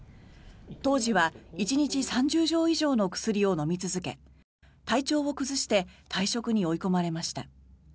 当時は１日３０錠以上の薬を飲み続け体調を崩して退職に追い込まれました。